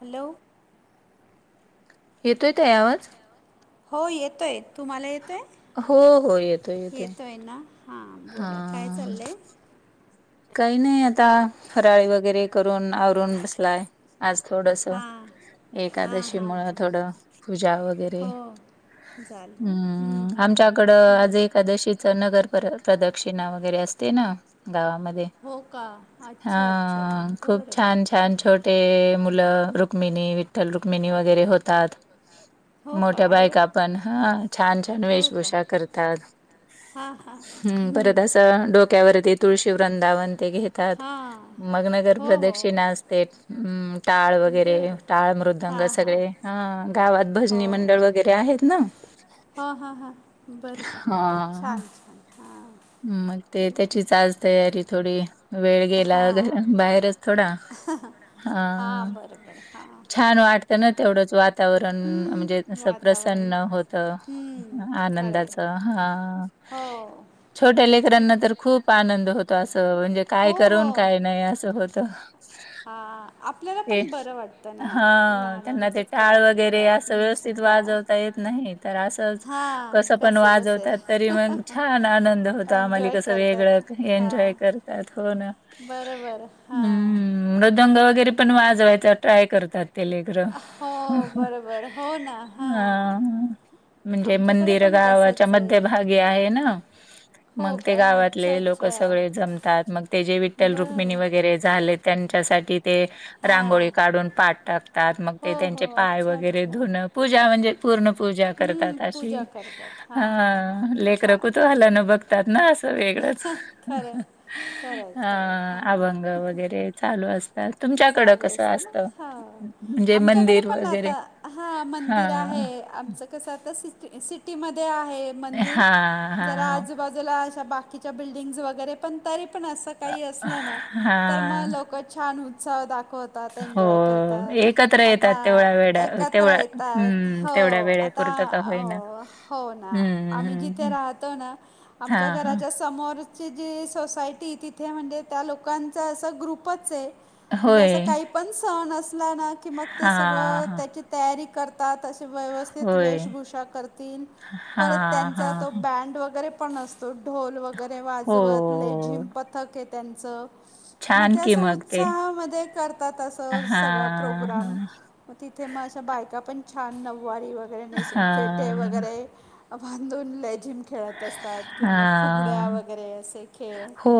Hello. येतोय ताई आवाज. हो येतोय तुम्हाला येतोय. हो हो येतोय येतोय. होय ना हां हा बोला काय? चाललंय. काही नाही आता फराळी वगैरे करून आवरून बसलाय. आज थोडंसं हां हां एकादशी हां मुळ हां थोडं पूजा वगैरे- हो चालेल ना हं, हम्म हं, आमच्याकडं हं. आज बरं एकादशी. तर नगर पर प्रदक्षिणा वगैरे असते ना गावामध्ये. हो का अच्छा अच्छा हा खूप बरं बरं छान! छान हम्म. छोटी- ते मुलं रुक्मिणी विठ्ठल रुक्मिणी वगैरे होतात. हो का मोठ्या अरे वा बायका पण हा छान हो का वेशभूषा करतात. हां हां हम्म परत असं डोक्यावरती तुळशी वृंदावन ते घेत- ात हां मग नगर हो हो प्रदक्षिणा अस ते टाळ वगैरे बरं टाळ मृदंग हां हां सगळे अ गावात भजनी मंडळ वगैरे- ते आहेत ना. हा, हा, हा, बर हां, छान हा. मग ते त्याचीच आज तयारी थोडी वेळ गेलार हां बाहेरच थोडा. [unintelligible] हा हां बरं बरं हां छान वाटतं ना तेवढच वातावरण म्हणजे- हम्म, असं वातावरण प्रसन्न होत हम्म, खरं आहे आनंदाच हा. हो. छोट्या लेकरांना तर खूप आनंद होतो असं म्हणजे काय? हो हो करून काय नाही असं होतं. होतं. हा आपल्याला ते पण बरं वाटतं ना हा त्यांना ते लहानांचंच काय टाळ वगैरे असं आपल्याला व्यवस्- सुद्धा -थितवाजवता येत नाही तर असच हां कसं पण कसे बसे वाजवतात तरी मग छान आनंद हो- -आम्हाले एन्जॉय कसं वेगळं करतात एन्जॉय करतात हो ना. बरं बरं हा. हम्म, मृदंग वगैरे पण वाजवायचा ट्राय करतात. ते लेकरं हो बरोबर हो ना हां. म्हणजे आमच्याकडे मंदिर पण गावाच्या तसंच आहे मध्यभागी आहे ना. हो मग ते का गावातले अच्छा लोक अच्छा सगळे जमतात मग ते जे विठ्ठल रुक्मिणी बरं वगैरे झालेत- त्यांच्यासाठी. ते रांगोळी हां काढून पाठ टाकतात हो ते हो त्यांचे पाय अच्छा वगैरे अच्छा धुून पूजा म्हणजे पूर्ण पूजा हं, करतात अशी. पूजा करतात हां हां हां हा लेकरं छान कुतूहलाने बघतात ना असं वेगळंच. खरं खरं आहे अ खरं आहे अभंग हां वगैरे चालू असत. तर तुमच्याकडं चालू कसं असते ना असत हा म्हणजे आमच्याकडे मंदिर पण वगैरे. आता हा मंदिर हां. आहे आमचं कसं आत सिटी सिटीमध्ये आहे. मंदिर हां, हां, जरा हां. आजूबाजूला अशा बाकीच्या बिल्डिंगज वगैरे पण तरीपण असं- काही असलं ना तर मग हां, लोकं छान उत्साह दाखवत- -तात एन्जॉय हो. करतात. एकत्र आता येतात तेवढ्या वेळा एकत्र तेवढ्या येतात हं, हो तेवढ्या आत- -ता वेळेपुरतं का होईना. हो ना हं, आम्ही हं, जिथे हं. राहतो. ना आमच्या हां, हां. घराच्या समोर- ते जे सोसायटी तिथे म्हणजे त्या लोकांचं असा ग्रुपच आहे. म्हणजे असं होय. काही पण सण असला ना की मग ते हां, सगळं हां. त्याची- तयारी करतात असे व्यवस्थित होय. वेशभूषा करतील. परत हां, त्यांचा हां, तो हां. बँड वगैरे- पण असतो ढोल वगैरे वाजवत हो. लेझिम पथक आहे त्यांच. मग छान ते की असं मग ते. उत्साहामध्ये करतात असं सगळं हां, प्रोग्राम. हां. मग तिथे मग अशा बायका पण छान नऊवारी वगैरे नेसून फेटे हां, वगैरे- बांधून लेझिम खेळत असतात किंवा मग फुगड्या हां. वगैरे असे- खेळ हो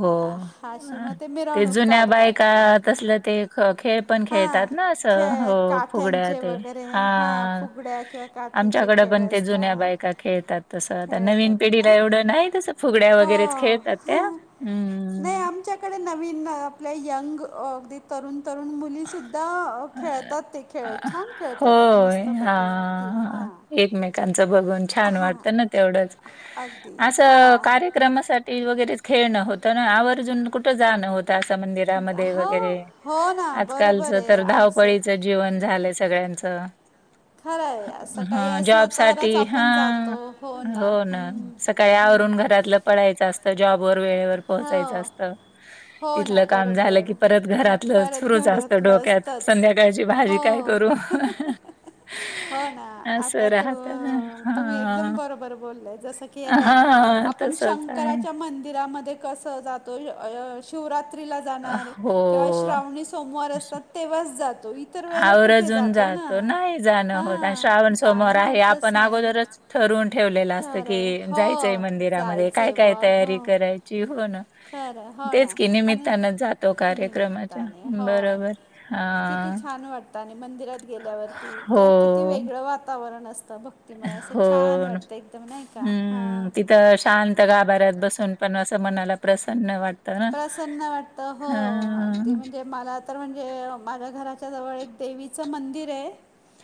हो अशी मग ते मिरवणूक जुन्या काढतात बायका मग तसलं ते -खेळ- पण हां खेळतात ना असं खेळ हो फुगड्या काठ्यांचे ते वगैरे हां हा. फुगड्या किंवा काठीचे आमच्याकडं खेळ पण ते जुन्या असतात बायका खेळतात. तसं आता नवीन खेळतात ना पिढीला एवढं नाही तसं फुगड्या वगैरेच- हो खेळतात त्या नाही हम्म. आमच्याकडे -नवीन आपल्या यंग अगदी- तरुण तरुण मुली सुद्धा अ खेळतात. ते अ, खेळ छान खेळतात. आणि होय. मस्त! पैकी - हा. त्यांचं बघून छान वाटतं ना तेवढच अगदी असं हां. कार्य क्रमासाठी वगैरे खेळणं होतं ना आव- आजून कुठं? जाणं होत अस होतं मंदिरामध्ये असं हो वगैरे. हो ना बरोबर आजकालचं आहे तर असं धावपळीच जीवन झालंय सगळ्यांचं. खरं आहे असं काही हा असलं जॉब तरच साठी हा आपण जातो हो ना हम्म. स- काय आवरून घरातलं पडायचं असतं जॉबवर वेळेवर. पोहोचायचं हो असत हो ना तिथलं काम झालं की बरोबर परत घरातलं- परत चालूच असतं घरातलं डोक्यात असतंच संध्याकाळची भाजी काय? करू. हं हो ना असं आता तू राहत ना तुम्ही एकदम हा बरोबर बोललाय जसं की आता आप- हा आपण तसच आहे. शंकराच्या मंदिरामध्ये कसं? जातो य श- शिवरात्रीला जाणार हो किंवा श्रावणी सोमवार असतात तेव्हाच जातो इत. आवर्जून जातो नाही जाणं होत. आणि श्रावण हां सोमवार जाणं आहे होतच आपण नाही अगोदरच- ठरून ठेवलेलं असतं खरं की हो जायचंय मंदिरामध्ये काय? जायचंय व काय? हो तयारी करायची हो ना. खरं हो तेच ना कि आणि निमित्तान जातो कार्यक्रमाच्या निमित्ताने हो बरोबर किती हा. छान वाटत आणि मंदिरात गेल्यावरती हो काय किती? वेगळं वातावरण असतं बघ हो हम्म हां तिथं शांत गाभऱ्यात बसून पण असं मनाला प्रसन्न वाटत. प्रसन्न वाटत हो अगदी म्हणजे मला- तर म्हणजे माझ्या घराच्या जवळ एक देवीचं मंदिर आहे.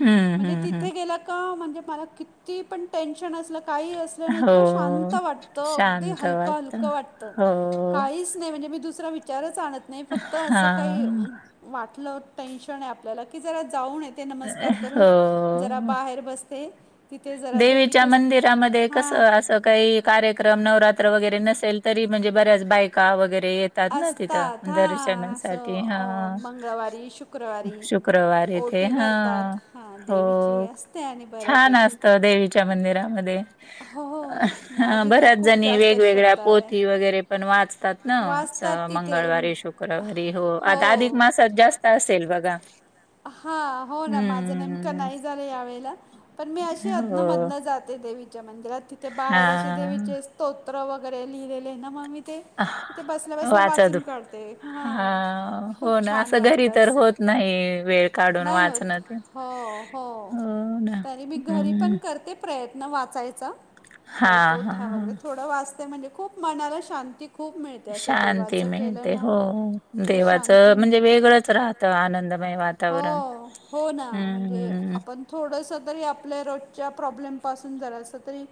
हं, म्हणजे हं, हं. तिथे गे का? म्हणजे मला किती पण टेन्शन असल- काही असल ना इतकं हो. शांत वाटतं अगदी शांत हलकं वाटतं. हलकं वाटतं. हो. काहीच नाही म्हणजे मी दुसरा विचारच आणत नाही फक्त असं काही- हां. वाटलं टेन्शन आहे आपल्याला की जरा जाऊन ये ते नमस्कार हो. करून- जरा बाहेर बसते. तिथे जरा देवीच्या देवीचे मंदिरामध्ये कसं हां असं काही- कार्यक्रम नवरात्र वगैरे नसेल तरी म्हणजे बऱ्याच बायका वगैरे येत- येतात ना तिथं असतात हां असं दर्शनासाठी अ, हा. मंगळवारी शुक्रवारी शुक्रवारी ते ओटी ह भरतात हां हो देवीची असते आणि छान बऱ्यापैकी असतं. देेवीच्या मंदिरामध्ये. हो हो माझी तर बऱ्याच खूप जणी जास्त वेगवेगळ्या श्रद्धा पोथी आहे वगैरे पण वाचतात. न वाचतात असं तिथे मंगळवारी, शुक्रवारी हो आता अधिक मासात जास्त असेल बघा. हा हो ना माझं नेमकं हम्म नाही झालं यावेेळेला. पण मी अशी अधन हो मधन जाते देवीच्या मंदिरात तिथे बाहेर असे हा. देवीचे- स्तोत्र वगैरे लिहिलेले आहे ना मग तिथे ते बसल्या बसल्या वाचत वाचून काढते हा हो खूप ना छान असं घरी वाटतं तर असं. होत नाही वेळ काढून नाही होत वाचणं ते. हो हो ना तरी मी घरी पण हम्म करते प्रयत्न वाचायचा हा काही हा पोथ्या हा. वगैरे थोडं वाचत म्हणजे खूप- मनाला शांती खूप मिळते. असं शांती देवाचं केलं मिळते ना हो की शांती देवाचं म्हणजे मिळते वेगळंच राहतं आनंदमय वाता- हो हो ना म्हणजे आपण. थोडंस तरी आपल्या रोजच्या प्रॉब्लेम पाासून जरास तरी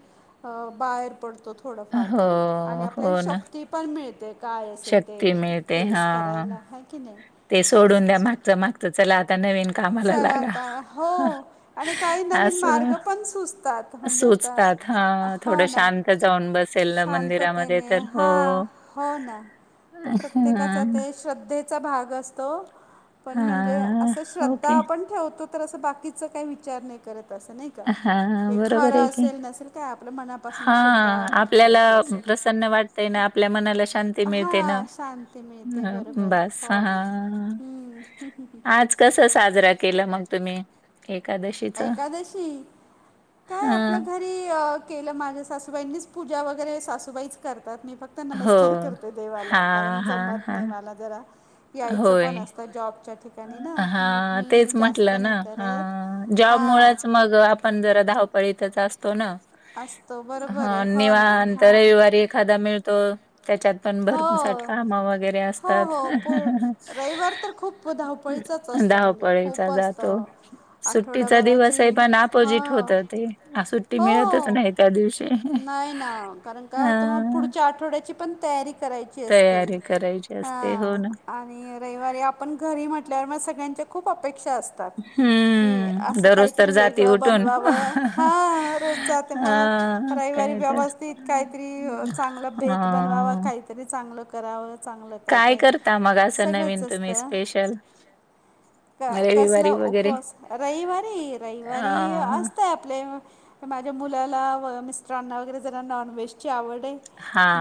बाहेर पडतो - थोडंफार हो तरी आणि आपल्याला हो ना शक्ती पण मिळते काय असेल शक्ती ते. मिळते हा फेस करायला हाय की नाही. ते असं सोडून द्या मागचं माग. तर चला आता नवीन कामाला चला लागा आता हो आणि काही नवीन असं. मार्ग पण सुचतात म्हणजे आता सुचतात हा हो थोडं ना शांत जाऊन बसेल ना मंदिरामध्ये शांततेने तर हो. हां हो ना तर प्रत्येकाच हा ते. श्रद्धेचा भाग असतो पण म्हणजे- असं हा श्रद्धा ओके आपण ठेवतो तर अस बाकीच काही विचार नाही करत असं नाही. हा हे बरोबर खरं आहे की असेल नसेल काय आपलं मनापासून शुद्धा हां, आपल्याला ठेवायची अस. प्रसन्न वाटतंय ना, आपल्या मनाला शांती मिळते ना. हा शांती मिळते अ, बरोबर बस हो ना हम्म. हं. कसा? साजरा केलं मग तुम्ही एकादशीचा. एकादशी. काय आपलं घरी केलं माझ्या सासूबाईंनीच पूजा वगैरे सासूबाईच करतात मी फक्त- फक्त हो. नमस्कार करते देवाला हां, कारण हां, जमत नाही हां. मला. जरा यायच पण होय. असत जॉबच्या ठिकाणी. ठिकाणी ना मग हां, मी जास्त नाही करत. जॉब हां मुळच मग आपण जरा धावपळी तच असतो ना. असतो बरोबर आहे हा हो ना निवांत हां रविवारी एखादा मिळतो त्याच्यात. पण भरमसाठ हो कामं वगैरे हो असतात. हो पूर रविवार तर खूप धावपळीचाच असतो धाव म्हणजे पळीचा खूप जातो. असतं सुट्टीचा दिवस आठवडाभराची आहे पण हो अपोजिट होत ते. आ, सुट्टी मिळतच हो नाही त्या दिवशी. नाही ना कारण काय होत मग हां, पुढच्या आठवड्याची पण तयारी- करायची असते तयारी करायची असते. हो हा. ना. आणि रविवारी आपण घरी म्हटल्यावर मग सगळ्यांच्या खूप अपेक्षा असतात. की हम्म अस दररोज काहीतरी तर जाती वेगळं उठून. बनवाव हा. रोज जाते अ मग काय रविवारी तर व्यवस्थित काहीतरी चांगल बेत बनवाव अ काहीतरी- तरी चांगलं कराव चांग काय? करता मग असं नवीन तुम्ही स्पेशल. कसला रविवारी वगैरे? उपवास रविवारी, अ रविवारी असतंय आपले- तर माझ्या मुलाला व मिस्टरांना वगैरे जरा नॉनव्हेजची आवड आहे.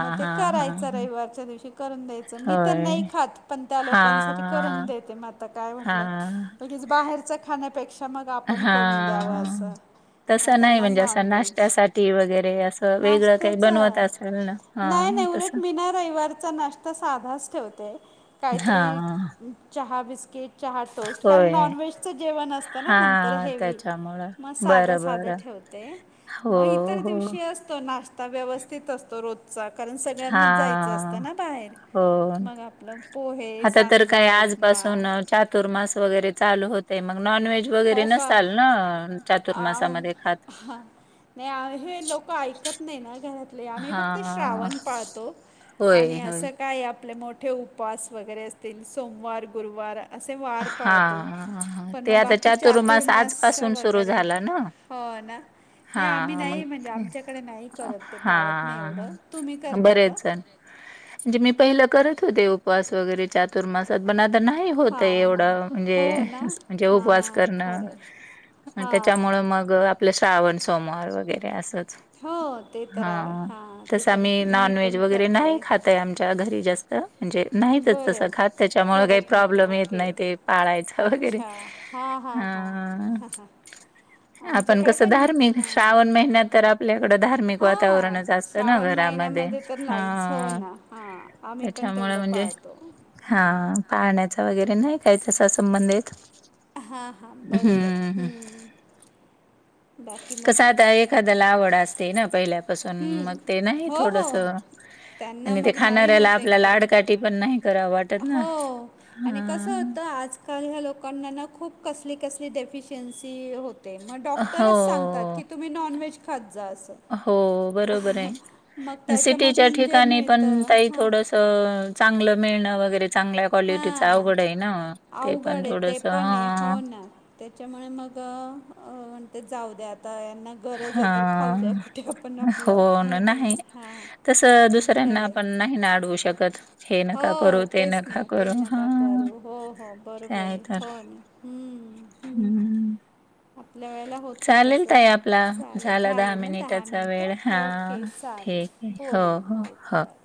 मग ते हां हां करायचं रविवारच्या दिवशी करून द्यायचं मी तर होय. नाही खात पण त्या लोकांसाठी करून हां देते म आता काय म्हटल हां उगीच बाहेरच खाण्यापेक्षा मग आपण करून द्यावं हां. असं. मग तसं नाही त्यांना म्हणजे असं नॉनव्हेज नाश्त्यासाठी वगैरे असं वेगळं काही बनवत नाश्त्याचं असाल ना. नाही हां नाही उलट तसं मी ना. रविवारचा नाश्ता साधाच ठेवते काहीतरी हां चहा, बिस्किट. चहा टोस्ट कारण होय नॉनव्हेजचं जेवण असतं ना नंतर हां हेवी त्याच्यामुळं. मग साधं बरं बरं साधं ठेवते. हो, मग इतर हो. दिवशी असतो नाश्ता व्यवस्थित असतो रो- चा कारण सगळ्यांना जायचं असतं हां. ना बाहेर. हो. मग आपलं पोहे, आता तर काय सांजा, उपमा. आजपासून अ, चातुर्मास वगैरे चालू होतंय मग नॉन व्हेज व्हेज वगैरे हो का नसताल ना चातुर्मासा आम मध्ये खात. हा नाही हे लोकं ऐकत नाही ना घरात. आम्ही फक्त हां. श्रावण पाळतो आणि होय, होय. असं काय? आपले मोठ मोठे उपवास वगैरे असतील सोमवार, गुरुवार, असे वार पाळतो. हां. हां. पण ते मग आता बाकी बाकि चातुर्मास आजपासून सुरू वगैरे झाला ना? हो ना. नाही आम्ही हां. मग नाही म्हणजे ते आमच्याकडे नाही करत ते पाळत नाही हां. एवढं तुम्ही करता का? बरेच म्हणजे मी पहिलं करत होते उपवास वगैरे चातुर्मासात पण आता नाही ते हां हां एवढं हो म्हणजे ना म्हणजे उपवास हां करणं खरं आहे हां त्याच्यामुळं मग- ग आपलं श्रावण सोमवार वगैरे असंच. हो ते तर आहे हा हां ते तसं तर आम्ही मी नॉन व्हेज पण वगैरे करते नाही खात. आमच्या घरी जास्त म्हणजे नाहीतच तसं बरं खात त्याच्यामुळे काही करत नाही प्रॉब्लेम येत ओके नाही ते पाळायचं वगैरे अच्छा हां ह. हां हां आपण आमच्याकडे कसं पण धार्मिक श्रावण महिन्यात तर आपल्याला कड धार्म हा श्रावण महिन्यामध्ये तर नाहीच हो हा. ना. आम्ही पण त्याच्यामुळे तेवढं म्हणजे पाळतो. हा हं. पाळण्याचं वगैरे नाही. काही तसा संबंध येत हां हां बरोबर हम्म हम्. हं. बाकी मग कसं आता एखाद्याला आवड असते ना पहिल्या. पासून मग हं. ते नाही हो हो थोडंसं त्यांना आणि ते मग नाही खाऱ्याला होत आपल्या आड एकदम काटी पण नाही कराव ट हो आणि कसं हो- त आजकाल ह्या लोकांना ना खूप कसली कसली डेफिशियन्सी होत. ते मग डॉक्टरच सांगतात हो. की तुम्ही नॉनव्हेज खात जा असं. हो बरोबर आहे मग पण सिटीच्या त्याच्यामधून जे ठिकाणी पण मिळतं ताई हां थोडंसं. अ चांगलं मिळणं वगैरे चांगला क्वालिटीच हां अवघड आहे ना ते पण अवघड आहे ते थोडंसं पण आहे अं हो ना त्याच्यामुळे मग म्हणते जाऊ द्या आता यांना गरज आहे तर हा खाऊ द्या कुठे आपण हो आपलं ना होय की नाही हां कसं दुस दुसऱ्यांना खरे आपण नाही ना अडवू शकत. हे हो नका करू, ते तेच नका ना करू. तेच ना नका हां. करू हो हो बरोबर काय आहे तर. हो ना हम्म. हम्. हं. आपल्या वेळेला होतं चालेल ताई तसं आपला चालेल झाला झाले ना दहा मिनिटाचा वेळ. मिनटं ओके हां. ठीक आहे. चालेल हो, बोलू म हो, हां ओके हो. बाय.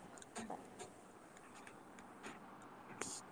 बाय [unintelligible]